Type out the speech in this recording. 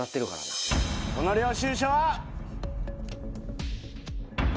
この領収書は。